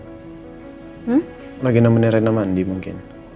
hmm lagi nemenin rena mandi mungkin